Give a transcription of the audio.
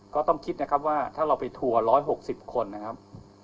ก็ต้องคิดนะครับว่าถ้าเราไปทัวร์๑๖๐คนนะครับ